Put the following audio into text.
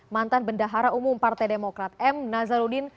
mantan bendahara umum partai demokrat m nazarudin